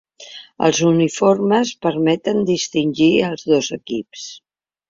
Els uniformes permeten distingir els dos equips.